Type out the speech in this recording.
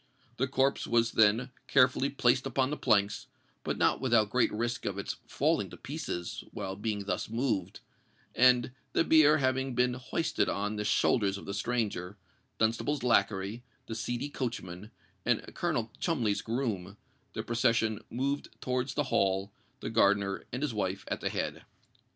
The corpse was then carefully placed upon the planks, but not without great risk of its falling to pieces while being thus moved; and, the bier having been hoisted on the shoulders of the stranger, Dunstable's lacquey, the seedy coachman, and Colonel Cholmondeley's groom, the procession moved towards the Hall, the gardener and his wife at the head.